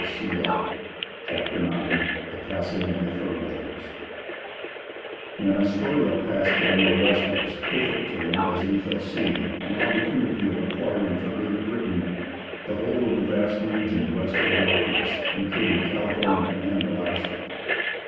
CHAPTER VIII THE PASSING OF THE FUR LORDS When Astoria passed to the Nor'westers, with it came, as we shall see, an opportunity of acquiring for Great Britain the whole of the vast region west of the Rockies, including California and Alaska.